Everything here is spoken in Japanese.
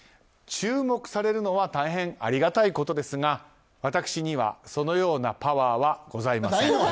注目されるのは大変ありがたいことですが私には、そのようなパワーはございません。